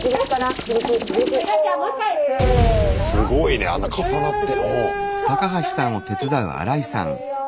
すごいねあんな重なって。